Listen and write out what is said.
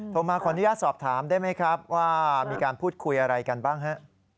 มาขออนุญาตสอบถามได้ไหมครับว่ามีการพูดคุยอะไรกันบ้างฮะ